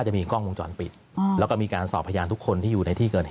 ก็มี๒ห้อกระวหาคือประมาททำให้ผู้อื่น